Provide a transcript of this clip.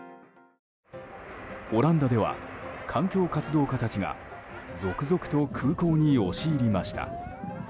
オランダでは環境活動家たちが続々と空港に押し入りました。